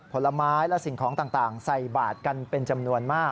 ผลไม้และสิ่งของต่างใส่บาทกันเป็นจำนวนมาก